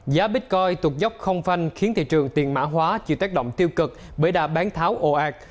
giá bitcoin tuột dốc không phanh khiến thị trường tiền mã hóa chịu tác động tiêu cực bởi đà bán tháo ồ ạc